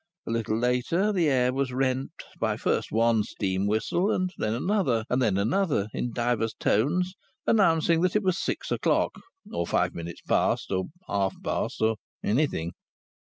A little later the air was rent by first one steam whistle, and then another, and then another, in divers tones announcing that it was six o'clock, or five minutes past, or half past, or anything.